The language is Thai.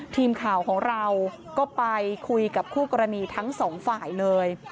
ทีมข่าวของเราก็ไปคุยกับคู่กรณีทั้งสองฝ่ายเลย